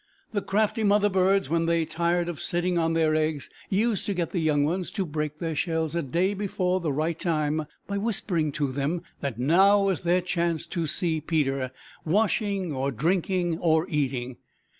The crafty mother birds, when they tired of sitting on their eggs, used to get the young one to break their shells a day before the right time by whispering to them that now was their chance to see Peter washing or drinking or eating.